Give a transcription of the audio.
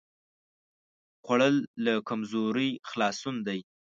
خوړل له کمزورۍ خلاصون دی